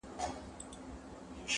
• په لوی لاس چي څوک غنم کري نادان دئ -